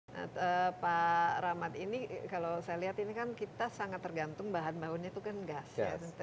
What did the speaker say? nah pak rahmat ini kalau saya lihat ini kan kita sangat tergantung bahan bahunya itu kan gas ya